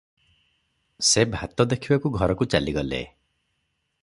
ସେ ଭାତ ଦେଖିବାକୁ ଘରକୁ ଚାଲିଗଲେ ।